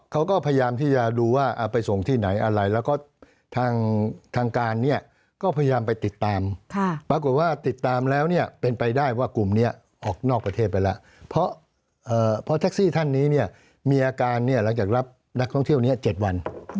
เขาก็พยายามที่จะดูว่าเอาไปส่งที่ไหนอะไรแล้วก็ทางการเนี่ยก็พยายามไปติดตามปรากฏว่าติดตามแล้วเนี่ยเป็นไปได้ว่ากลุ่มนี้ออกนอกประเทศไปแล้วเพราะแท็กซี่ท่านนี้เนี่ยมีอาการเนี่ยหลังจากรับนักท่องเที่ยวนี้๗วัน